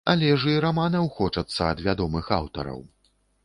Але ж і раманаў хочацца ад вядомых аўтараў.